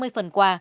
năm mươi phần quà